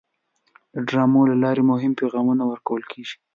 د ډرامو له لارې مهم پیغامونه ورکول کېږي.